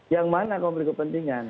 yang mana konflik kepentingan